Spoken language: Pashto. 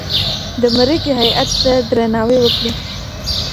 د مرکې هیئت ته درناوی وکړئ.